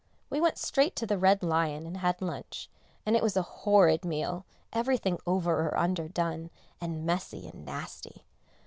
We went straight to the "Red Lion" and had lunch, and it was a horrid meal, everything over or underdone, and messy and nasty.